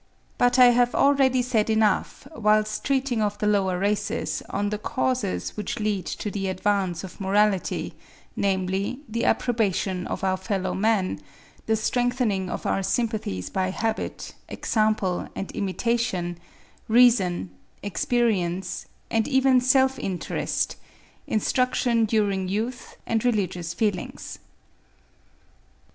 But I have already said enough, whilst treating of the lower races, on the causes which lead to the advance of morality, namely, the approbation of our fellow men—the strengthening of our sympathies by habit—example and imitation—reason—experience, and even self interest—instruction during youth, and religious feelings.